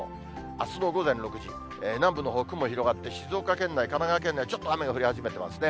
あすの午前６時、南部のほう、雲広がって、静岡県内、神奈川県内、ちょっと雨が降り始めてますね。